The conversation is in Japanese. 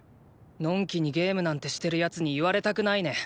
呑気にゲームなんてしてる奴に言われたくないね！